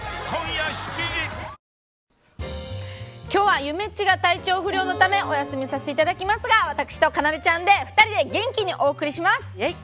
今日は、ゆめっちが体調不良のためお休みさせていただきますが私とかなでちゃんの２人で元気にお送りします。